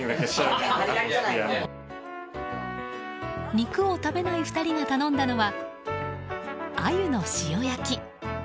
肉を食べない２人が頼んだのはあゆの塩焼き。